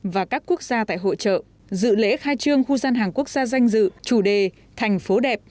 và các quốc gia tại hội trợ dự lễ khai trương khu gian hàng quốc gia danh dự chủ đề thành phố đẹp